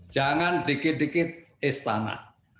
jangan dikit dikit istana